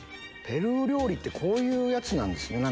ペルー料理ってこういうやつなんですね。